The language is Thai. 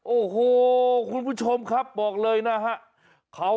โอ้โหคุณผู้ชมครับบอกเลยนะฮะ